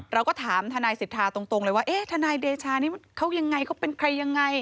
เราก็ถามทนายสิทธาตรงเลยว่าเอ๊ะทนายเดชานี่เขายังไงเขาเป็นใครยังไง